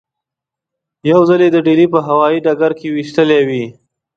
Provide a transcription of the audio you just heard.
یو ځل یې د ډیلي په هوايي ډګر کې وېشلې وې.